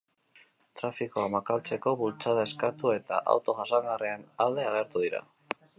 Trafikoa makaltzeko bultzada eskatu eta auto jasangarrien alde agertu dira.